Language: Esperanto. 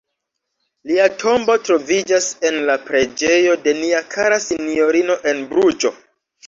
Lia tombo troviĝas en la "preĝejo de nia kara sinjorino" en Bruĝo.